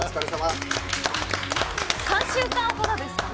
３週間ほどですかね。